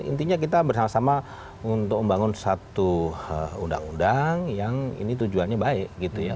intinya kita bersama sama untuk membangun satu undang undang yang ini tujuannya baik gitu ya